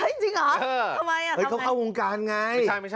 ๓วันจริงหรอเห้ยเขาเข้ากรุงการไงไม่ใช่ไม่ใช่